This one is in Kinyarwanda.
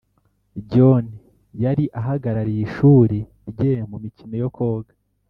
john yari ahagarariye ishuri rye mumikino yo koga.